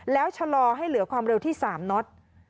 แล้วชะลอให้เหลือความเร็วที่๓น็อต